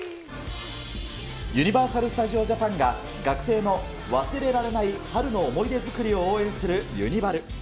ユニバーサル・スタジオ・ジャパンが、学生の忘れられない春の思い出作りを応援するユニ春。